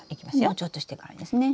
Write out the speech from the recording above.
もうちょっとしてからですね。